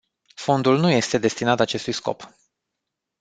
Fondul nu este destinat acestui scop.